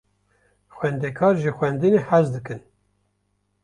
Xwendekar ji xwendinê hez dikin.